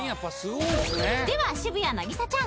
では渋谷凪咲ちゃん！